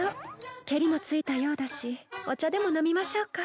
けりもついたようだしお茶でも飲みましょうか。